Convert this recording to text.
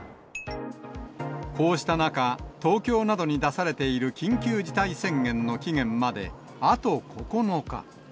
こうした中、東京などに出されている緊急事態宣言の期限まであと９日。